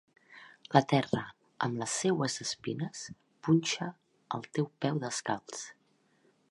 La terra, amb les seues espines, punxa el teu peu descalç.